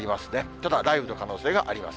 ただ雷雨の可能性があります。